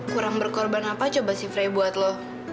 kurang berkorban apa coba si fri buat lo